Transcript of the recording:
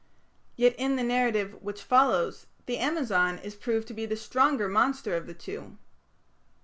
Yet, in the narrative which follows the Amazon is proved to be the stronger monster of the two.